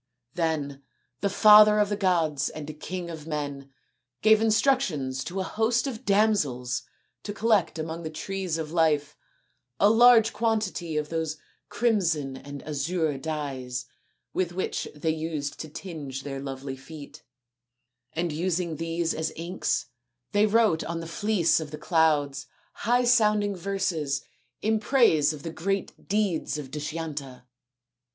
Then the father of the gods and king of men gave instructions to a host of damsels to collect among the trees of life a large quantity of those crimson and azure dyes with which they used to tinge their lovely feet ; and using these as inks they wrote on the fleece of the clouds high sounding verses in praise of the great deeds of Dushyanta.